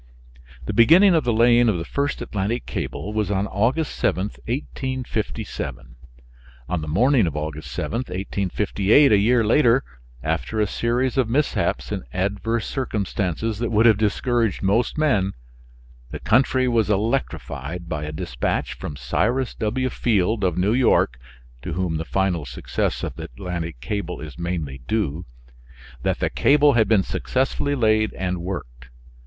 The beginning of the laying of the first Atlantic cable was on Aug. 7, 1857. On the morning of Aug. 7, 1858, a year later, after a series of mishaps and adverse circumstances that would have discouraged most men, the country was electrified by a dispatch from Cyrus W. Field of New York (to whom the final success of the Atlantic cable is mainly due), that the cable had been successfully laid and worked.